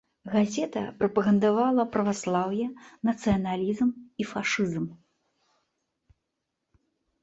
Газета, прапагандавала праваслаўе, нацыяналізм і фашызм.